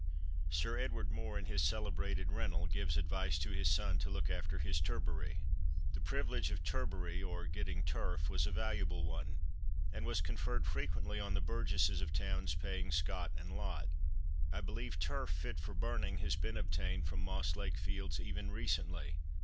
Sir Edward More, in his celebrated rental, gives advice to his son to look after "his turbary." The privilege of turbary, or "getting turf," was a valuable one, and was conferred frequently on the burgesses of towns paying scot and lot. I believe turf, fit for burning, has been obtained from Moss Lake Fields even recently.